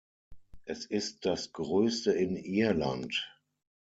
Es ist das größte in Irland.